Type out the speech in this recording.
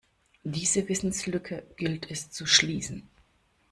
Diese Wissenslücke gilt es zu schließen.